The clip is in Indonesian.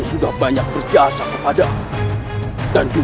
aku akan menerima luar biasa